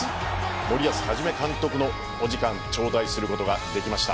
森保一監督のお言葉を頂戴することができました。